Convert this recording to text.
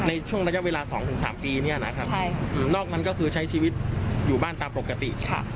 ในช่วงระยะเวลา๒๓ปีเนี่ยนะครับนอกนั้นก็คือใช้ชีวิตอยู่บ้านตามปกติ